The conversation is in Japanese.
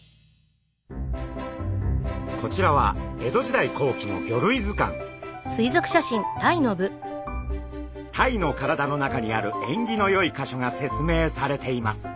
こちらは江戸時代後期のタイの体の中にある縁起のよいかしょが説明されています。